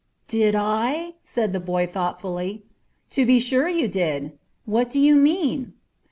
"Did I?" said the boy thoughtfully. "To be sure you did. What do you mean."